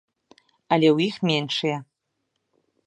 Але ў іх меншыя.